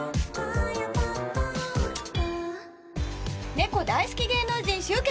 『猫大好き芸能人集結！